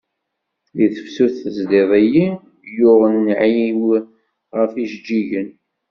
Di tefsut tezliḍ-iyi, yuɣ nnɛi-w ɣef ijeǧǧigen.